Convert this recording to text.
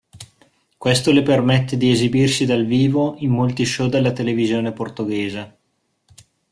Questo le permette di esibirsi dal vivo in molti show della televisione portoghese.